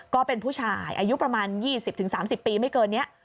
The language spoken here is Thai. ก็เป็นผู้ชายอายุประมาณ๒๐๓๐ปีไม่เกินนี้